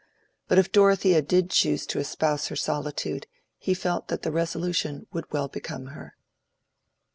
But if Dorothea did choose to espouse her solitude, he felt that the resolution would well become her.